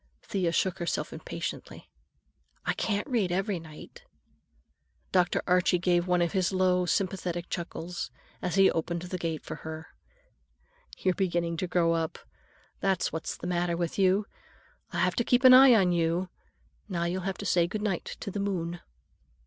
Thea shook herself impatiently. "I can't read every night." Dr. Archie gave one of his low, sympathetic chuckles as he opened the gate for her. "You're beginning to grow up, that's what's the matter with you. I'll have to keep an eye on you. Now you'll have to say good night to the moon."